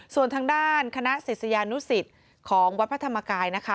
ส่วนทางด้านคณะศิษยานุสิตของวัดพระธรรมกายนะคะ